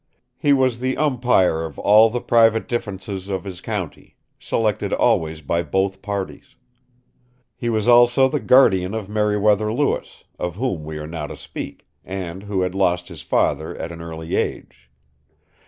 He was the umpire of all the private differences of his county, selected always by both parties. He was also the guardian of Meriwether Lewis, of whom we are now to speak, and who had lost his father at an early age.